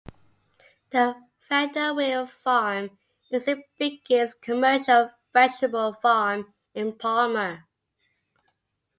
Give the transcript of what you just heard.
The Vanderweele farm is the biggest commercial vegetable farm in Palmer.